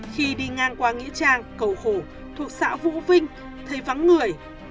khi đi ngang qua nghĩa trang cầu khổ thuộc xã vũ vinh thấy vắng người